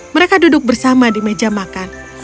mereka duduk bersama di meja makan